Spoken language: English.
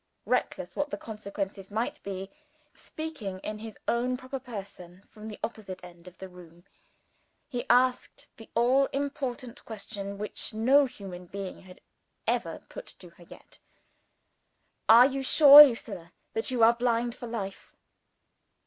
Reckless what the consequences might be speaking, in his own proper person, from the opposite end of the room he asked the all important question which no human being had ever put to her yet. "Are you sure, Lucilla, that you are blind for life?"